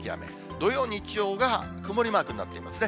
土曜、日曜が曇りマークになっていますね。